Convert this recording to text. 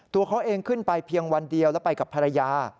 ตัวเขาเองขึ้นไปเพียงวันเดียวแล้วไปกับภรรยา